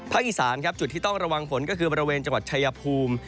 ภาคอิสานจุดที่ต้องระวังฝนก็คือจุดประเวณจังหวัดชายภูมิ